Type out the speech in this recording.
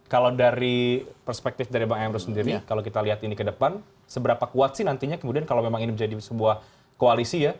kalau dari perspektif dari bang emrus sendiri kalau kita lihat ini ke depan seberapa kuat sih nantinya kemudian kalau memang ini menjadi sebuah koalisi ya